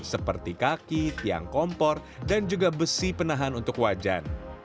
seperti kaki tiang kompor dan juga besi penahan untuk wajan